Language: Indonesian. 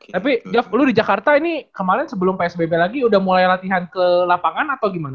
tapi jav dulu di jakarta ini kemarin sebelum psbb lagi udah mulai latihan ke lapangan atau gimana